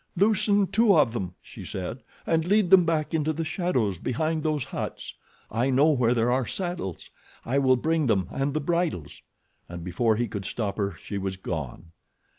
"Loosen two of them," she said, "and lead them back into the shadows behind those huts. I know where there are saddles. I will bring them and the bridles," and before he could stop her she was gone.